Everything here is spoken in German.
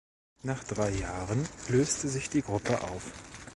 Nach drei Jahren löste sich die Gruppe auf.